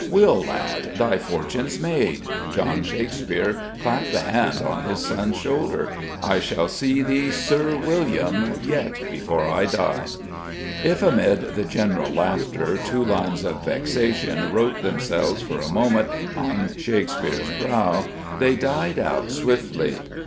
"Will, lad, thy fortune's made!" John Shakespeare clapped a hand on his son's shoulder. "I shall see thee Sir William yet afore I die!" If amid the general laughter two lines of vexation wrote themselves for a moment on Shakespeare's brow they died out swiftly.